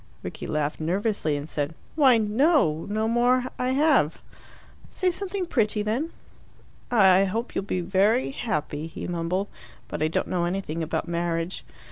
Rickie laughed nervously, and said, "Why no! No more I have." "Say something pretty, then." "I hope you'll be very happy," he mumbled. "But I don't know anything about marriage."